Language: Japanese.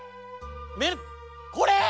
めっこれ！？